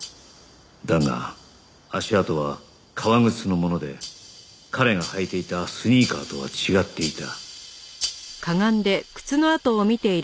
だが足跡は革靴のもので彼が履いていたスニーカーとは違っていた